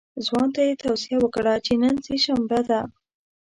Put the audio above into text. ځوان ته یې توصیه وکړه چې نن سه شنبه ده.